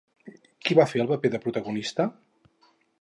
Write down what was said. Qui va fer el paper de la protagonista?